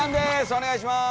お願いします。